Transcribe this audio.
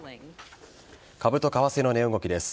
株と為替の値動きです。